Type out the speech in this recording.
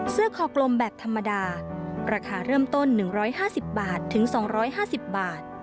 คอกลมแบบธรรมดาราคาเริ่มต้น๑๕๐บาทถึง๒๕๐บาท